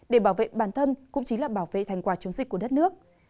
để bảo vệ bản thân cũng chính là bảo vệ thành quả chống dịch của đất nước